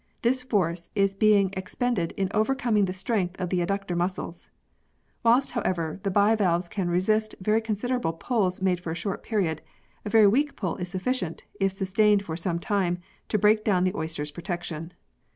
This force is being ex pended in overcoming the strength of the adductor muscles. Whilst, however, the bivalves can resist very considerable pulls made for a short period, a very weak pull is sufficient, if sustained for some time, to break down the oyster's protection.